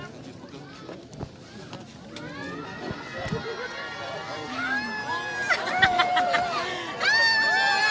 terima kasih pak